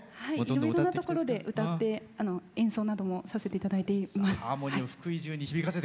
いろんなところで歌って演奏などもさせていただいています。